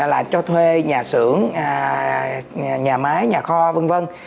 là cho thuê nhà xưởng nhà máy nhà kho v v